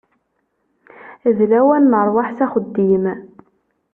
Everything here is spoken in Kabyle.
D lawan n rrwaḥ s axeddim.